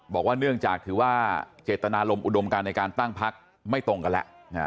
บอกว่าเนื่องจากถือว่าเจตนารมณ์อุดมการในการตั้งพักไม่ตรงกันแล้ว